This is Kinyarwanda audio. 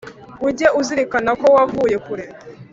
ujye uzirikana ko wavuye kure